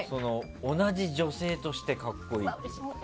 同じ女性として格好いいって。